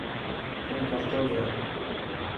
تون ڪرو جا.